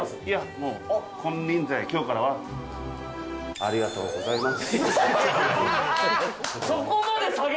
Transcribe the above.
もう金輪際、今日からは、ありがとうございます。